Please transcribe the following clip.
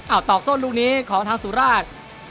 อ้าวตอกโซ่นลูกนี้ของทางสุราช